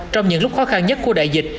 trong những lúc khó khăn nhất của đại dịch